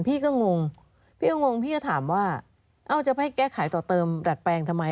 พี่ก็งงพี่ก็งงพี่ก็ถามว่าเอ้าจะไปแก้ไขต่อเติมดัดแปลงทำไม